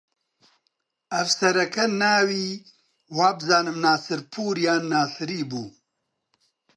ئەفسەرەکە ناوی وابزانم ناسرپوور یان ناسری بوو